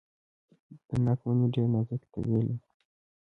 د ناک ونې ډیر نازک طبیعت لري.